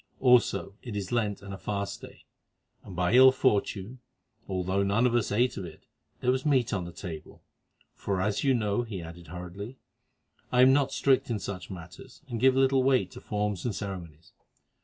Also, it is Lent and a fast day, and by ill fortune, although none of us ate of it, there was meat upon the table, for as you know," he added hurriedly, "I am not strict in such matters, who give little weight to forms and ceremonies.